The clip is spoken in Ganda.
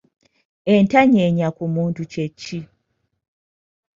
Entanyenya ku muntu kye ki?